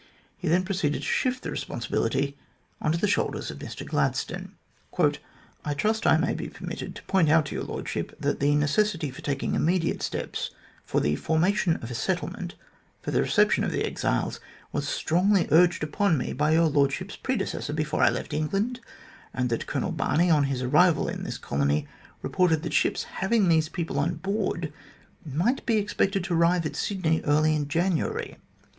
He then proceeded to shift the responsi bility on to the shoulders of Mr Gladstone :" I trust I may be permitted to point out to Your Lordship that the necessity for taking immediate steps for the formation of a settlement for the reception of the exiles was strongly urged upon me by Your Lordship's predecessor before I left England ; and that Colonel Barney, on his arrival in this colony, reported that ships having these people on board might be expected to arrive at Sydney early in January.